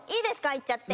行っちゃって。